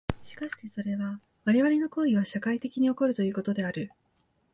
しかしてそれは我々の行為は社会的に起こるということである。